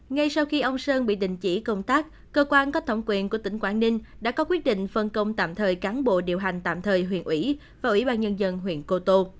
ngay sau khi ông sơn bị đình chỉ công tác cơ quan có thẩm quyền của tỉnh quảng ninh đã có quyết định phân công tạm thời cán bộ điều hành tạm thời huyện ủy và ủy ban nhân dân huyện cô tô